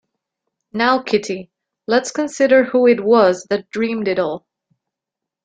Now, Kitty, let’s consider who it was that dreamed it all.